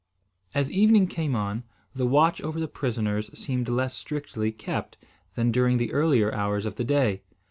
As evening came on, the watch over the prisoners seemed less strictly kept than during the earlier hours of the day.